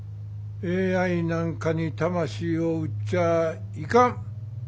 ＡＩなんかに魂を売っちゃいかん。